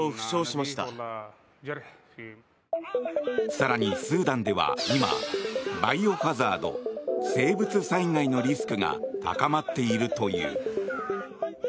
更に、スーダンでは今バイオハザード、生物災害のリスクが高まっているという。